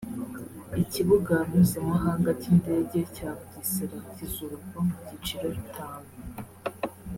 Ikibuga Mpuzamahanga cy’indege cya Bugesera kizubakwa mu byiciro bitanu